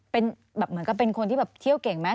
เหมือนกับเป็นคนที่เที่ยวเก่งไหม